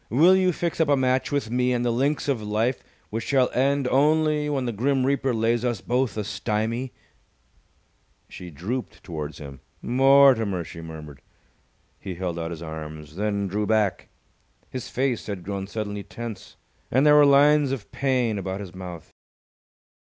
Will you fix up a match with me on the links of life which shall end only when the Grim Reaper lays us both a stymie?" She drooped towards him. "Mortimer!" she murmured. He held out his arms, then drew back. His face had grown suddenly tense, and there were lines of pain about his mouth.